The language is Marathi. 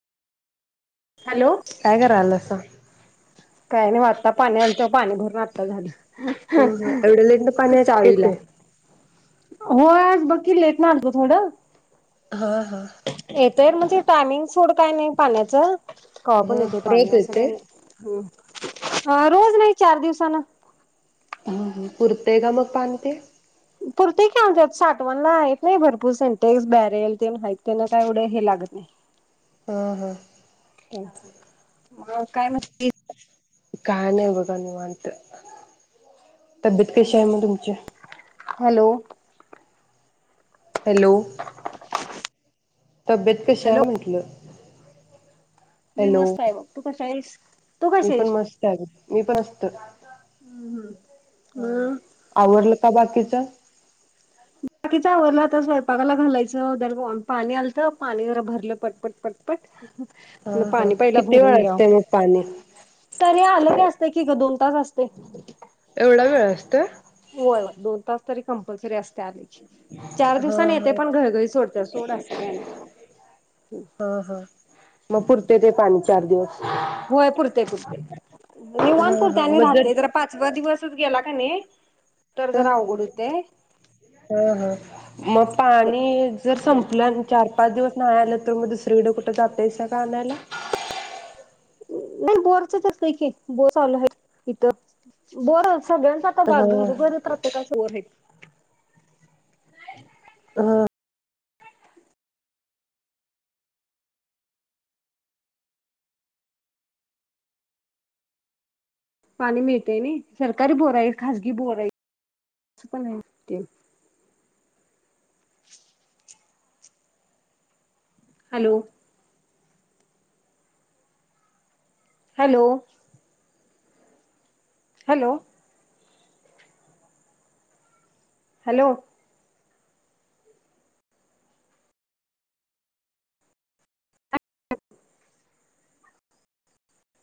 काय करावासा? काही नाही आता पाणी आ तेव पाणी भरून आता झालं. हो ह एवड लेट पाणी आत चाळीला येतय. हो आज बकी लेट न आलत थोड. हा हा. येतय म्हणजे टायमिंग सोड काय नाही पाण्याच. हा रहतयेत अ रोज नाही चार दिवसान पुर्तका मग पानी ते? पुरते काी आतत साठवणला आहेत नाही भरपूर सेंटेक्स बॅरेल ते मात त्यांना काय एवढं हे लागत नाही. हम हम मग काय म्ह काय नाही बघा निवांत तब्येत कशी हे मग तुम च् हॅलो हॅलो तब्येत कशी हॅलो आहे म्हटलं? मी मस्त आहे बघ तु कशी आहेस मी पण मस्त आहे मी पण अस तर हम्म हम्म आवरलं का बाकीच. बाकीच आवरल आता स्वैपाकाला लागायचं दर भोन पाणी आलत पाणी जरा भरलं पटपट हा पटपट हा. पाणी पहील किती भरून वेळ घ्याव असतय मग पाणी? त मी आलं बी असत की ग दोन आताच असते. एवढा वेळ असतय? होय दोन तास तरी कंपल्सरी अस चार हा दिवसानी येते पण हा घरोघरी सोडत सोड असतं काय नाही. हा हा. मग पुरतय ते पाणी चार दिवस. होय पुरतय पुरतय निवाण हा पुरतय हा आणि मग राहतेय जर पाचवा दिवस गेला का नाही? तरर जरा अवघड होतेय. हा हा मग पाण आणि जर संपलं चार पाच दिवस नाही आल तर मग दुसरीकडे कुठे जातास का आणायला? नाही बोरच तर हाय की बोर चालू आहे इथ बोर सगळ्यांच आता पहा घरोघर हा प्रत्येकाच बोर आहे. हा. पाणी मिळतय नाई सरकारी बोर आहेत खाजगी बोर हाईत अस पण आहे ते [inaudible] हॅलो हॅलो हॅलो हॅलो